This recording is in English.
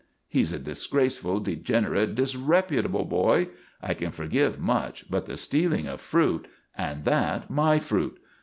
"He's a disgraceful, degenerate, disreputable boy! I can forgive much; but the stealing of fruit and that my fruit!